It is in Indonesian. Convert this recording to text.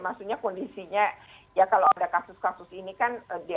maksudnya kondisinya ya kalau ada kasus kasus ini kan